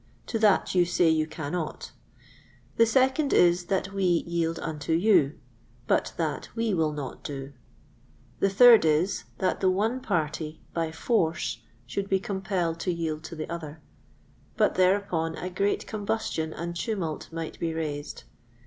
To that you say you cannot. The second is, that we yield unto you; but that we will not do. The third is, that the one party, by force, should be compelled to yield to the other; but thereupon a great combustion and tumult might be raised.